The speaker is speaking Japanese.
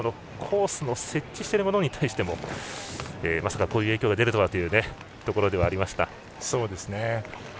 コースの設置しているものに対してもまさかこういう影響が出るとはというところではありました。